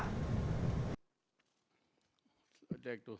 dự án tăng cường